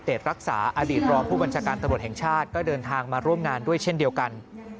รักษาอดีตรองผู้บัญชาการตำรวจแห่งชาติก็เดินทางมาร่วมงานด้วยเช่นเดียวกัน